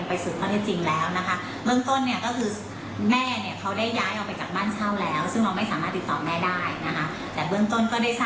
ในการดำเนินการเพื่อติดตามเยี่ยมบ้านเด็กก่อน